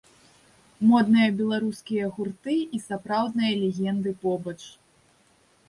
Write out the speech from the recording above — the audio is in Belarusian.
Модныя беларускія гурты і сапраўдныя легенды побач.